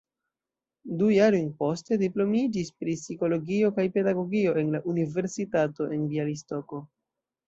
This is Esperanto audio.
Du jarojn poste diplomiĝis pri psikologio kaj pedagogio en la Universitato en Bjalistoko.